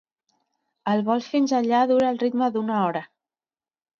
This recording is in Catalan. El vol fins allà dura al ritme d'una hora.